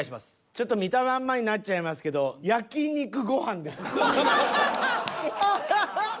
ちょっと見たまんまになっちゃいますけどははははっ。